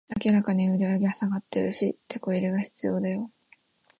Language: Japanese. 明らかに売上下がってるし、テコ入れが必要だよ